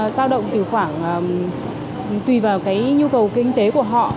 giao động từ khoảng tùy vào cái nhu cầu kinh tế của họ